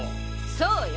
そうよ！